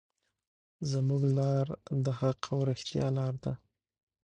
زموږ لار د حق او رښتیا لار ده.